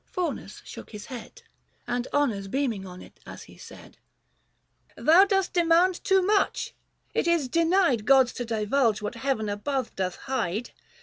" Faunus shook his head, And honours beaming on it as he said :—" Thou dost demand too much ! It is denied Gods to divulge what heaven above doth hide.